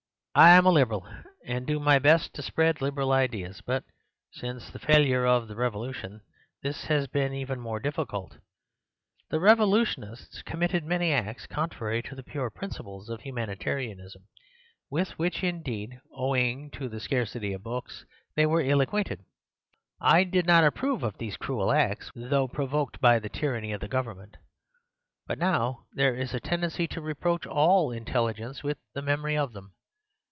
"I am a Liberal, and do my best to spread Liberal ideas; but since the failure of the revolution this has been even more difficult. The revolutionists committed many acts contrary to the pure principles of humanitarianism, with which indeed, owing to the scarcity of books, they were ill acquainted. I did not approve of these cruel acts, though provoked by the tyranny of the government; but now there is a tendency to reproach all Intelligents with the memory of them.